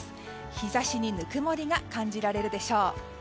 日差しにぬくもりが感じられるでしょう。